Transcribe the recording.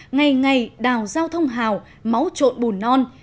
ngày ngày đào giao thông hào máu trộn bùn non